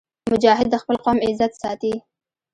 مجاهد د خپل قوم عزت ساتي.